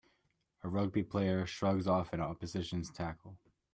A rugby player shrugs off an opposition 's tackle.